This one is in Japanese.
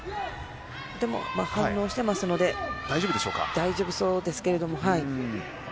でも反応しているので大丈夫そうですけど。